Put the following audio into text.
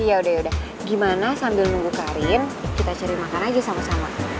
ya udah yaudah gimana sambil nunggu karin kita cari makan aja sama sama